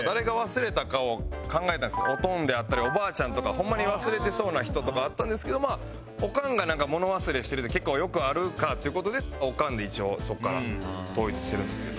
ホンマに忘れてそうな人とかあったんですけどまあオカンが物忘れしてるって結構よくあるかっていう事でオカンで一応そこから統一してるんですけど。